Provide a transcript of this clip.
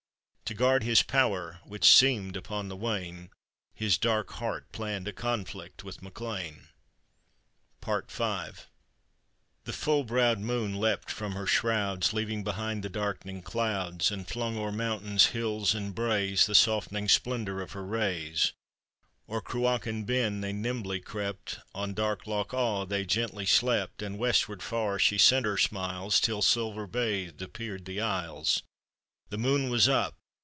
To guard his power, which seemed upon the wane, His dark heart planned a conflict with Mac Lean. V. The full browed moon leapt from her shrouds, Leaving behind the darkening clouds, And flung o'er mountains, hills, and braes, The softened splendor of her rays ; O'er Cruachan Ben they nimbly crept, On dark Loch Awe they gently slept, And westward far she sent her smiles, Till silver bathed appeared the Isles. The moon was up